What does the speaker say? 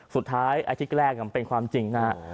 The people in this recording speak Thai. สุดท้ายที่แกล้งเป็นความจริงนะครับ